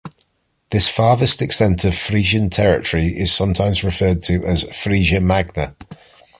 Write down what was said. This farthest extent of Frisian territory is sometimes referred to as "Frisia Magna".